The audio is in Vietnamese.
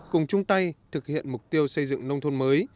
cùng chung tay thực hiện mục tiêu xây dựng nông thôn mới